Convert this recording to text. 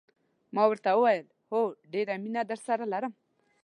ما ورته وویل: هو، ډېره مینه درسره لرم.